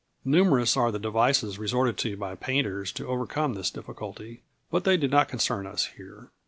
Numerous are the devices resorted to by painters to overcome this difficulty, but they do not concern us here.